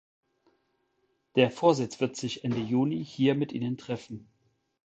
Der Vorsitz wird sich Ende Juni hier mit Ihnen treffen.